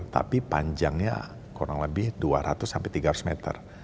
tapi panjangnya kurang lebih dua ratus sampai tiga ratus meter